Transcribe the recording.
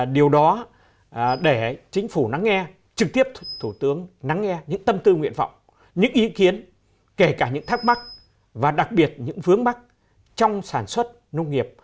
điều đó để chính phủ nắng nghe trực tiếp thủ tướng nắng nghe những tâm tư nguyện vọng những ý kiến kể cả những thắc mắc và đặc biệt những vướng mắt trong sản xuất nông nghiệp